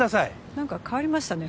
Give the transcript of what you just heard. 何か変わりましたね